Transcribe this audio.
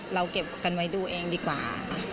เราเก็บกันไว้ดูเองดีกว่า